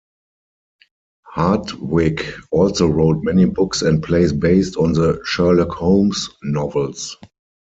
Hardwick also wrote many books and plays based on the Sherlock Holmes novels.